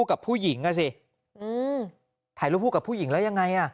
กับผู้หญิงอ่ะสิอืมถ่ายรูปคู่กับผู้หญิงแล้วยังไงอ่ะ